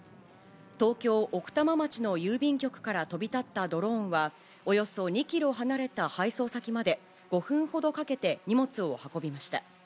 東京・奥多摩町の郵便局から飛び立ったドローンは、およそ２キロ離れた配送先まで、５分ほどかけて荷物を運びました。